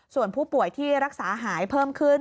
ส่วนผู้ป่วยที่รักษาหายเพิ่มขึ้น